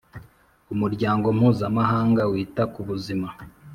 Umuryango mpuzamahanga wita ku buzima